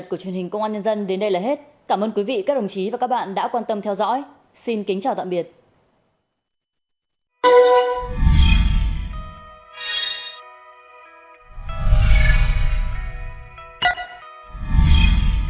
cảm ơn các bạn đã theo dõi và hẹn gặp lại